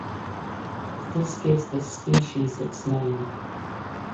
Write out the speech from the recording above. This gives this species its name.